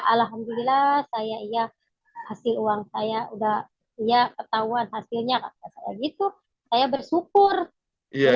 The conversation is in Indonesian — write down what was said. alhamdulillah saya iya hasil uang saya udah ya ketahuan hasilnya itu saya bersyukur iya